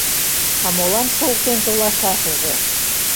— А молан шолтен толашашыже?